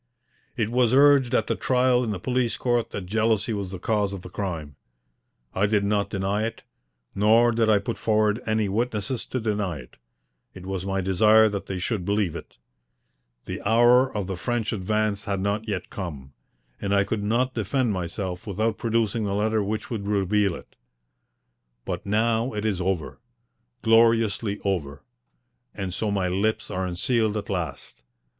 It was urged at the trial in the police court that jealousy was the cause of the crime. I did not deny it, nor did I put forward any witnesses to deny it. It was my desire that they should believe it. The hour of the French advance had not yet come, and I could not defend myself without producing the letter which would reveal it. But now it is over gloriously over and so my lips are unsealed at last.